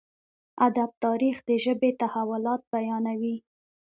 ادب تاريخ د ژبې تحولات بيانوي.